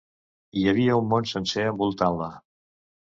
Hi havia un món sencer envoltant-la.